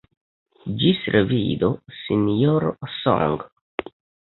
Ĝis revido, Sinjoro Song.